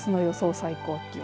最高気温。